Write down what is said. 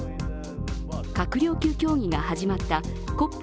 閣僚級協議が始まったＣＯＰ